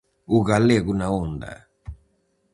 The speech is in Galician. O galego na onda.